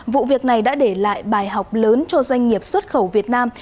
vụ việc này đã để lại bài học lớn cho doanh nghiệp xuất khẩu việt nam